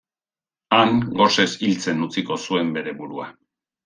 Han gosez hiltzen utziko zuen bere burua.